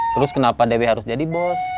terus kenapa dewi harus jadi bos